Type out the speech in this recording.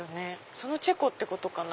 そのチェコってことかな？